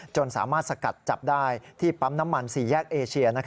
สามารถสกัดจับได้ที่ปั๊มน้ำมัน๔แยกเอเชีย